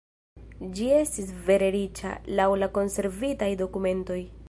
Ĝi estis vere riĉa, laŭ la konservitaj dokumentoj.